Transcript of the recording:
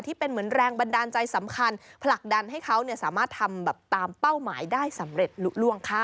ที่เป็นเหมือนแรงบันดาลใจสำคัญผลักดันให้เขาสามารถทำแบบตามเป้าหมายได้สำเร็จลุล่วงค่ะ